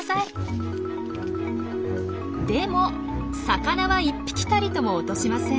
でも魚は１匹たりとも落としません！